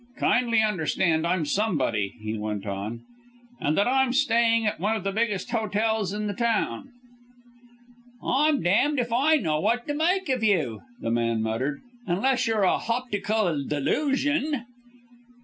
"Kindly understand I'm somebody," he went on, "and that I'm staying at one of the biggest hotels in the town." "I'm damned if I know what to make of you," the man muttered, "unless you're a hoptical delusion!"